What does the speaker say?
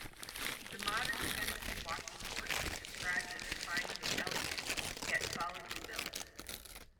The modern Tennessee Walking Horse is described as "refined and elegant, yet solidly built".